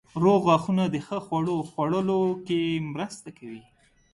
روغ غاښونه د ښه خوړو خوړلو کې مرسته کوي.